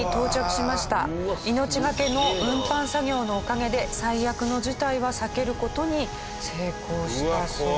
命がけの運搬作業のおかげで最悪の事態は避ける事に成功したそうです。